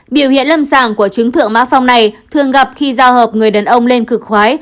biểu hiện lâm sảng của chứng thượng mã phong này thường gặp khi giao hợp người đàn ông lên cực khoái